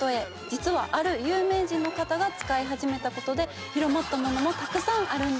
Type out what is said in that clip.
実はある有名人の方が使い始めたことで広まったものもたくさんあるんです。